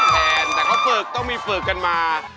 แผ่นแต่เขาต้องปลือกกันมา